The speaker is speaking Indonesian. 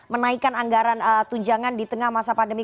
menaikan anggaran tujangan di tengah masa pandemi